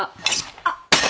あっ。